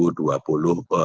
ini adalah yang ketiga